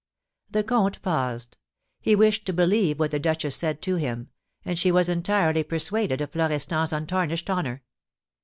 The comte paused. He wished to believe what the duchess said to him, and she was entirely persuaded of Florestan's untarnished honour.